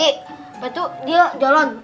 itu dia jalan